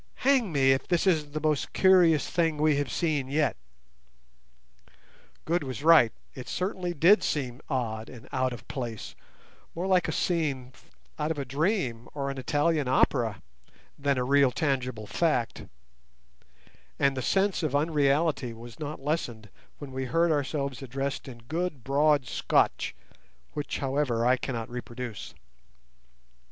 Hang me, if this isn't the most curious thing we have seen yet!" Good was right: it certainly did seem odd and out of place—more like a scene out of a dream or an Italian opera than a real tangible fact; and the sense of unreality was not lessened when we heard ourselves addressed in good broad Scotch, which, however, I cannot reproduce.